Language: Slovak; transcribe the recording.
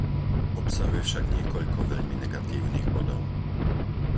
Obsahuje však niekoľko veľmi negatívnych bodov.